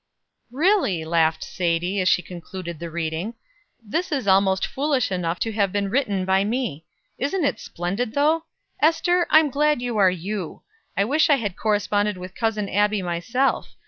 "Really," laughed Sadie, as she concluded the reading, "this is almost foolish enough to have been written by me. Isn't it splendid, though? Ester, I'm glad you are you. I wish I had corresponded with Cousin Abbie myself.